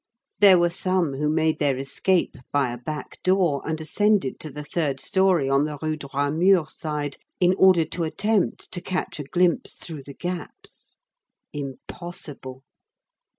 There were some who made their escape by a back door, and ascended to the third story on the Rue Droit Mur side, in order to attempt to catch a glimpse through the gaps. Impossible!